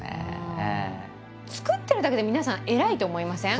作ってるだけで皆さん偉いと思いません？